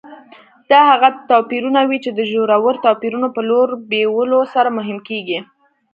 دا هغه توپیرونه وي چې د ژورو توپیرونو په لور بیولو سره مهم کېږي.